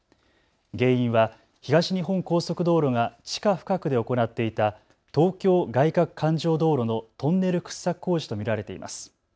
原因は東日本高速道路が地下深くで行っていた東京外かく環状道路のトンネル掘削工事と見られています。